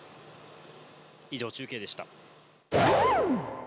以上、中継でした。